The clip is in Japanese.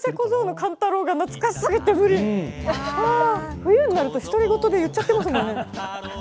冬になると独り言で言っちゃってますもんね。